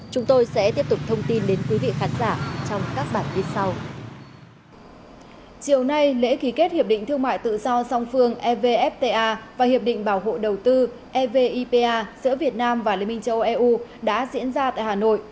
chiều nay lễ ký kết hiệp định thương mại tự do song phương evfta và hiệp định bảo hộ đầu tư evipa giữa việt nam và liên minh châu âu đã diễn ra tại hà nội